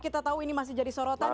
kita tahu ini masih jadi sorotan